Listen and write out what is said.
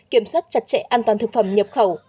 kiểm soát chặt chẽ an toàn thực phẩm nhập khẩu